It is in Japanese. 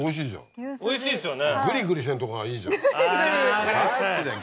味噌おいしいですよね。